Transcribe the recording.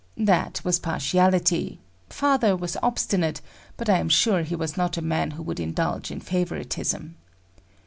That was partiality; father was obstinate, but I am sure he was not a man who would indulge in favoritism.